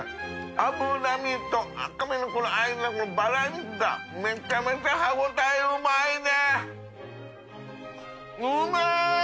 脂身と赤身のこのあいだのバラ肉が瓩辰舛磴瓩舛歯応えうまいね！